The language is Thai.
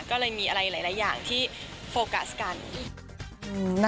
ก็เลยมีอะไรหลายอย่างที่โฟกัสกัน